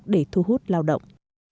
để thu hút lao động